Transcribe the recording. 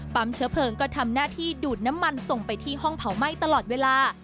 เชื้อเพลิงก็ทำหน้าที่ดูดน้ำมันส่งไปที่ห้องเผาไหม้ตลอดเวลา